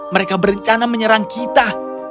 mereka berencana menyerang kita